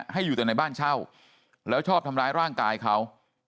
ให้อยู่แต่ในบ้านเช่าแล้วชอบทำร้ายร่างกายเขา